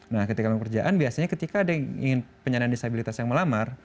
nah ketika pekerjaan biasanya ketika ada yang ingin penyandang disabilitas yang melamar